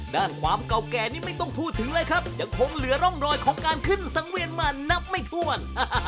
ด้านความเก่าแก่นี่ไม่ต้องพูดถึงเลยครับยังคงเหลือร่องรอยของการขึ้นสังเวียนมานับไม่ถ้วน